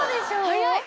早い！